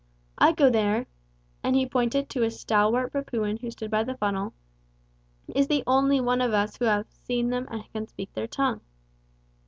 "Iko there" and he pointed to a stalwart Papuan who stood by the funnel "is the only one of us who has seen them and can speak their tongue.